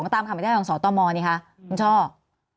ตามคำถามของทางสอตมนี่ค่ะคุณชอบ